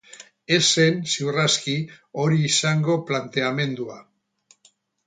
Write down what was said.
Ez zen, ziur aski, hori izango planteamendua.